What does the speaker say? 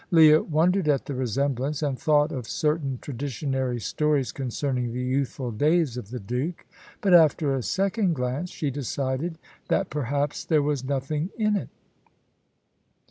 Leah wondered at the resemblance, and thought of certain traditionary stories concerning the youthful days of the Duke. But after a second glance she decided that perhaps there was nothing in it.